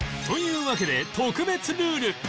というわけで特別ルール